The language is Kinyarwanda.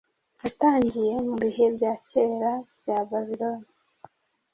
Yatangiye mu bihe bya kera bya Babiloni